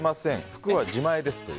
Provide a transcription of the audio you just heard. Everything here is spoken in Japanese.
服は自前ですと。